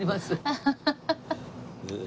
アハハハ。